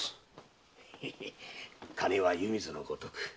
ヘヘ金は湯水のごとく。